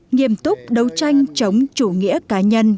nghiêm túc đấu tranh chống chủ nghĩa cá nhân